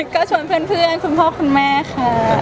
ก็ชวนเพื่อนคุณพ่อคุณแม่ค่ะ